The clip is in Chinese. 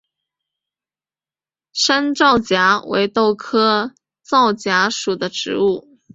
山皂荚为豆科皂荚属的植物。